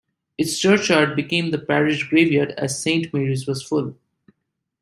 Its churchard became the parish graveyard, as Saint Mary's was full.